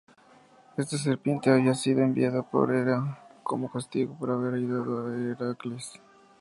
Esta serpiente había sido enviada por Hera como castigo por haber ayudado a Heracles.